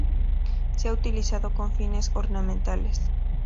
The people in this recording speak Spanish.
Se ha utilizado con fines ornamentales.